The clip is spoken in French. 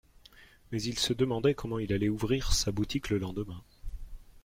Mais il se demandait comment il allait ouvrir sa boutique le lendemain